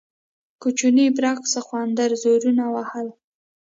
کوچني برګ سخوندر زورونه وهل.